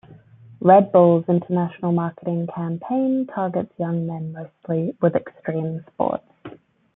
Red Bull's international marketing campaign targets young men mostly with extreme sports.